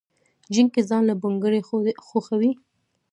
جينکۍ ځان له بنګړي خوښوي